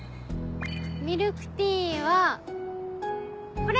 ミルクティーはこれ！